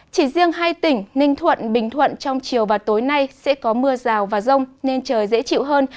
chỉ riêng hai tỉnh ninh thuận bình thuận trong chiều và tối nay sẽ có mưa rào và rông nên trời dễ chịu hơn